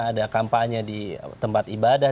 ada kampanye di tempat ibadah